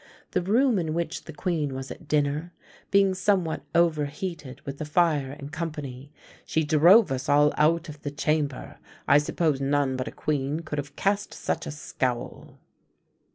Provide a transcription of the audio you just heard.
The room in which the queen was at dinner, being somewhat over heated with the fire and company, "she drove us all out of the chamber. I suppose none but a queen could have cast such a scowl."